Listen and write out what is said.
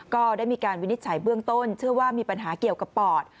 ก็ได้มีการวินิจฉัยเบื้องต้นเชื่อว่ามีปัญหาเกี่ยวกับปอด